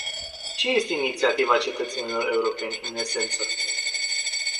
Ce este inițiativa cetățenilor europeni, în esență?